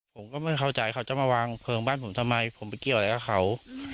ผมก็ไม่เข้าใจเขาจะมาวางเพลิงบ้านผมทำไมผมไปเกี่ยวอะไรกับเขา